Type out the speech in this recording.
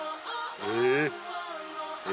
え？